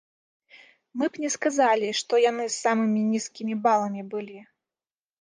Мы б не сказалі, што яны з самымі нізкімі баламі былі.